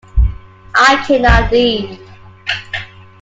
I cannot leave.